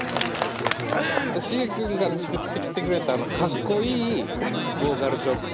シゲ君が作ってきてくれたあのかっこいいボーカルチョップ。